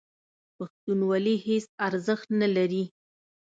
پښتونولي هېڅ ارزښت نه لري.